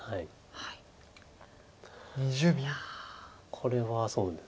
これはそうなんですね。